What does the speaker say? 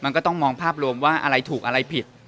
มันก็ต้องมองภาพรวมว่าอะไรถูกอะไรผิด